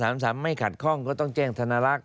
ไม่ขัดข้องก็ต้องแจ้งธนลักษณ